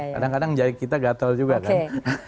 kadang kadang kita gatel juga kan